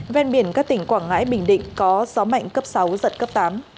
ven biển các tỉnh quảng ngãi bình định có gió mạnh cấp sáu giật cấp tám